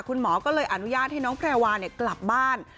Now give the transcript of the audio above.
คุณหมอก็เลยอนุญาตให้น้องแพรวากลับบ้าน